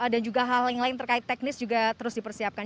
dan juga hal lain lain terkait teknis juga terus dipersiapkan